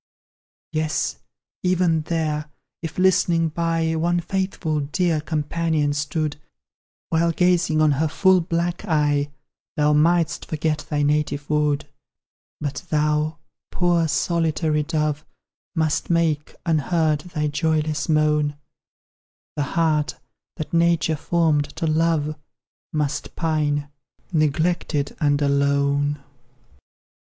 Yes, even there, if, listening by, One faithful dear companion stood, While gazing on her full bright eye, Thou mightst forget thy native wood But thou, poor solitary dove, Must make, unheard, thy joyless moan; The heart that Nature formed to love Must pine, neglected, and alone.